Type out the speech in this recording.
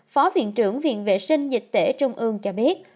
phó viện trưởng viện vệ sinh dịch tễ trung ương cho biết